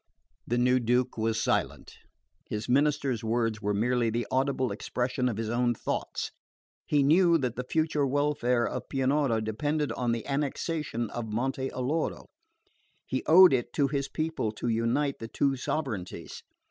The new Duke was silent. His minister's words were merely the audible expression of his own thoughts. He knew that the future welfare of Pianura depended on the annexation of Monte Alloro. He owed it to his people to unite the two sovereignties.